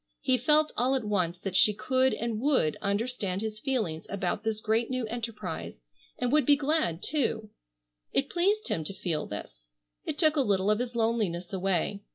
He felt all at once that she could and would understand his feelings about this great new enterprise, and would be glad too. It pleased him to feel this. It took a little of his loneliness away.